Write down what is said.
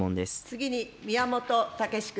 次に宮本岳志君。